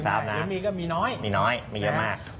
หรือมีก็มีน้อยมีน้อยมีเยอะมาก